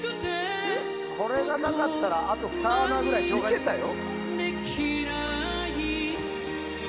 これがなかったらあと２穴くらいいけたよ。